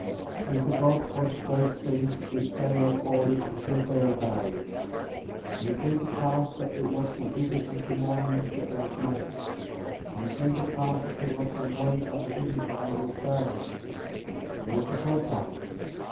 18. And the Gods watched those things which they had ordered until they obeyed. 19. And it came to pass that it was from evening until morning that it was night ; and it came to pass that it was from morning until evening that it was day; and it was the fourth time.